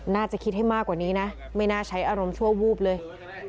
น่าจะคิดให้มากกว่านี้นะไม่น่าใช้อารมณ์ชั่ววูบเลย